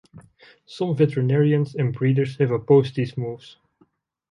Some veterinarians and breeders have opposed these moves.